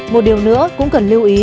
một điều nữa cũng cần lưu ý